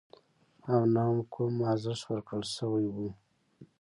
او نه هم کوم ارزښت ورکړل شوی وو.